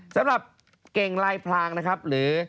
สำหรับเก่งลายพลางนะครับหรือ